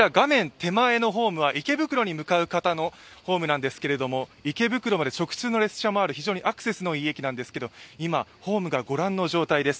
手前のホームは池袋に向かう方のホームなんですけれども池袋まで直通の電車もあるアクセスのいい駅なんですけれども今、ホームが御覧の状態です。